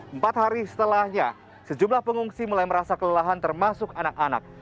empat hari setelahnya sejumlah pengungsi mulai merasa kelelahan termasuk anak anak